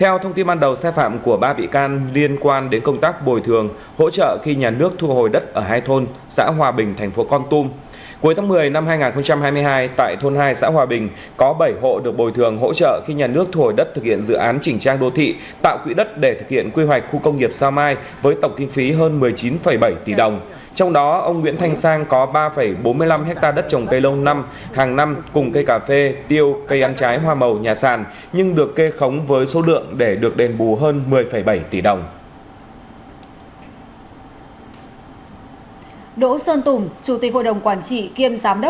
công an tỉnh con tum vừa khởi tố và bắt tạm giam về hành vi vi phạm quy định về bồi thường hỗ trợ tái định cư khi nhà nước thu hồi đất trong dự án chỉnh trang đô thị tạo quỹ đất để thực hiện quy hoạch khu công nghiệp sau mai tại xã hòa bình thành phố con tum